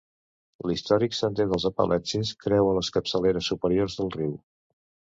L'històric sender dels Apalatxes creua les capçaleres superiors del riu.